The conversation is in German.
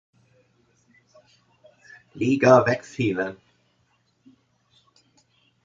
Liga wegfielen.